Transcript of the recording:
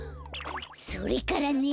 それからね。